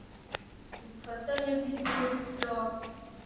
ubufatanye bw’ibihugu byombi